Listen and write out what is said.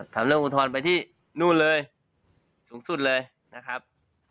ทำเรื่องอุทธรณ์ไปที่นู่นเลยสูงสุดเลยนะครับ